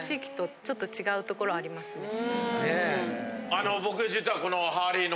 あの僕実はこの。